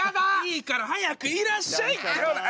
いいから早くいらっしゃいってほら！